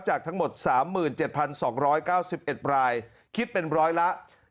จากทั้งหมด๓๗๒๙๑รายคิดเป็นร้อยละ